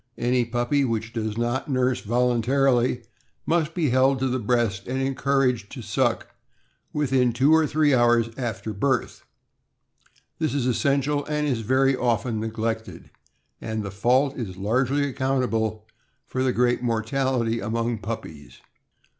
Any puppy which does not nurse voluntarily must be held to the breast and encouraged to suck within two or three hours after birth. This essential is very often neglected, and the fault is largely accountable for the great mortality among puppies.